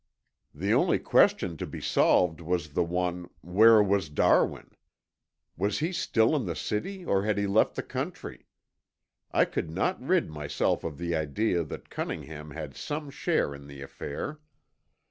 "The only question to be solved was the one, Where was Darwin? Was he still in the city or had he left the country? I could not rid myself of the idea that Cunningham had some share in the affair.